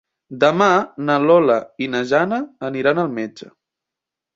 Demà na Lola i na Jana aniran al metge.